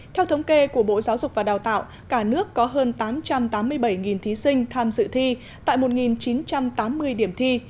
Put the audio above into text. theo thống kê của bộ giáo dục và đào tạo cả nước có hơn tám trăm tám mươi bảy thí sinh tham dự thi tại một chín trăm tám mươi điểm thi